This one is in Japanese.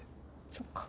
そっか。